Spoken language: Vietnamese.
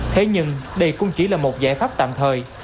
thế nhưng đây cũng chỉ là một giải pháp tạm thời